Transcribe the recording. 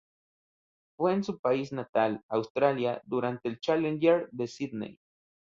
Fue en su país natal, Australia, durante el Challenger de Sídney.